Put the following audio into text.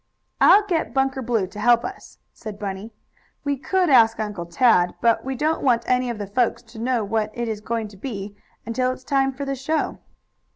"I'll get Bunker Blue to help us," said Bunny. "We could ask Uncle Tad, but we don't want any of the folks to know what it is going to be until it's time for the show."